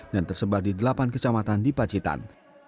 dan tersebar di delapan kecamatan di pacitan